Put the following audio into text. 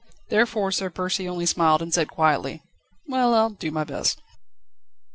Therefore Sir Percy only smiled, and said quietly: "Well, I'll do my best."